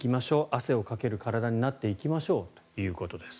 汗をかける体になっていきましょうということです。